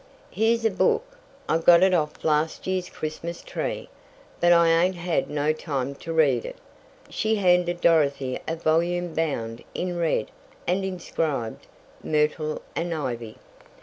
"Here's a book. I got it off last year's Christmas tree, but I ain't had no time to read it." She handed Dorothy a volume bound in red and inscribed "Myrtle and Ivy."